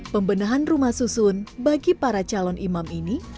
pembenahan rumah susun bagi para calon imam ini